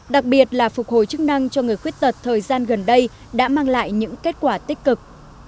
đặc biệt là phục hồi chức năng cho người khuyết tật thời gian gần đây đã mang lại những kết quả tích cực